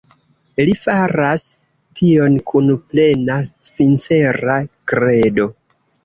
Li faras tion kun plena sincera kredo.